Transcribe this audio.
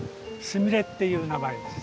すみれっていう名前です。